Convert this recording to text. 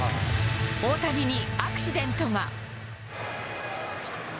大谷にアクシデントが。